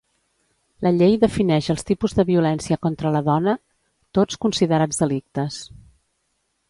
La llei defineix els tipus de violència contra la dona, tots considerats delictes.